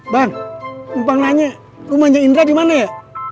bang nanya rumahnya indra di mana ya